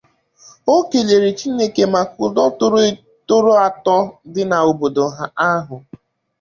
O kelere Chineke maka udo tọrọ àtọ dị n'obodo ahụ